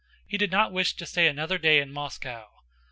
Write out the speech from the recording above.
He did not wish to stay another day in Moscow.